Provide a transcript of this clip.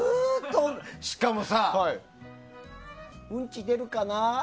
しかもさうんち出るかな？